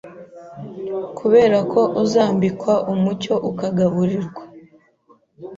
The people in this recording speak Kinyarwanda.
Kuberako uzambikwa umucyo ukagaburirwa